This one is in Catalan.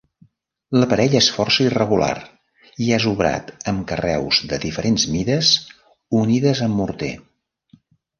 L'aparell és força irregular i és obrat amb carreus de diferents mides unides amb morter.